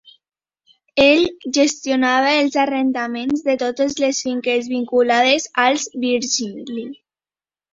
Ell gestionava els arrendaments de totes les finques vinculades als Virgili.